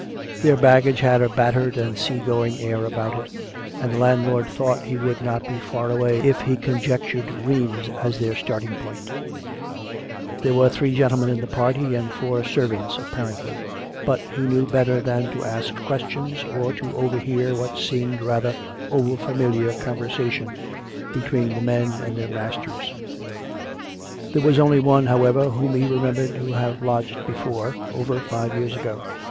Their baggage had a battered and sea going air about it, and the landlord thought he would not be far away if he conjec tured Rheims as their starting point; there were three gentlemen in the party, and four servants apparently; but he knew better than to ask questions or to overhear what seemed rather over familiar conversation between the men and their masters. There was only one, however, whom he remembered to have lodged before, over five years ago.